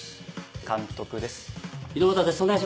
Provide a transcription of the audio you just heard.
監督です。